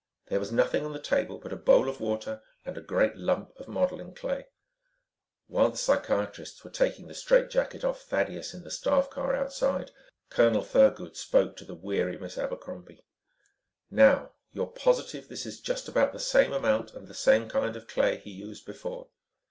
There was nothing on the table but a bowl of water and a great lump of modeling clay. While the psychiatrists were taking the strait jacket off Thaddeus in the staff car outside, Colonel Thurgood spoke to the weary Miss Abercrombie. "Now you're positive this is just about the same amount and the same kind of clay he used before?"